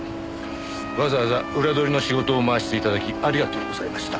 わざわざ裏取りの仕事を回して頂きありがとうございました。